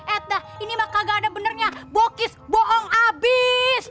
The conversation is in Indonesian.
eh udah ini mak kagak ada benernya bokis bohong abis